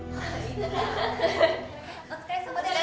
お疲れさまでした。